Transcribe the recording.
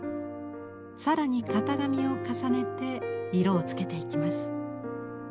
更に型紙を重ねて色をつけていきます。